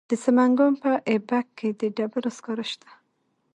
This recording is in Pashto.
د سمنګان په ایبک کې د ډبرو سکاره شته.